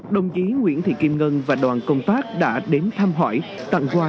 đồng chí nguyễn thị kim ngân và đoàn công tác đã đến thăm hỏi tặng quà